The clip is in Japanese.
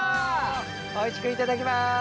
おいしくいただきます。